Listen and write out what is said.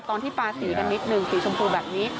ตอนที่ปลาสีกันนิดหนึ่งสีชมพูแบบนี้